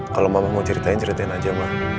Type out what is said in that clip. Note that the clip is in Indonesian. kalau mama mau ceritain ceritain aja ma